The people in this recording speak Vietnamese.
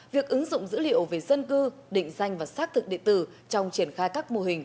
việc ứng dụng dữ liệu về dân cư định danh và xác thực địa tử trong triển khai các mô hình